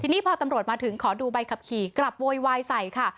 ทีนี้พอตำรวจมาถึงขอดูใบขับขี่กลับโวยวายใส่ค่ะ